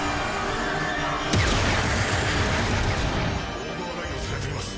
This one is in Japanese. オーバーライドされています。